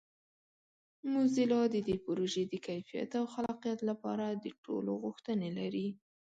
موزیلا د دې پروژې د کیفیت او خلاقیت لپاره د ټولو غوښتنې لري.